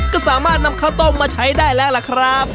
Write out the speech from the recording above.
ก็สามารถนำข้าวต้มมาใช้ได้แล้วล่ะครับ